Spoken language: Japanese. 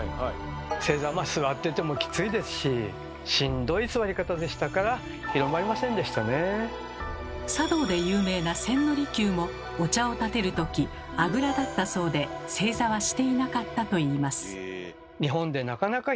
正座はまあ座っててもきついですししんどい座り方でしたから茶道で有名な千利休もお茶をたてる時あぐらだったそうで正座はしていなかったといいます。